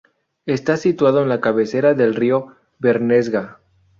Está situado en la cabecera del río Bernesga.